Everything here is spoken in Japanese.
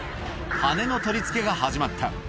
羽根の取り付けが始まった。